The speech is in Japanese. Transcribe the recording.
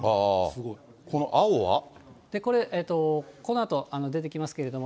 これ、このあと出てきますけれども。